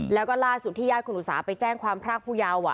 แล้วก็ล่าสุดที่ญาติคุณอุตสาหไปแจ้งความพรากผู้เยาว์